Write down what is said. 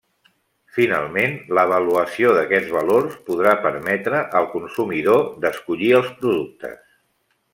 Finalment, l'avaluació d'aquests valors podrà permetre al consumidor d'escollir els productes.